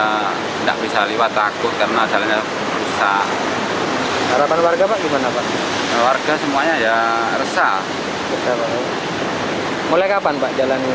mulai kapan pak jalan ini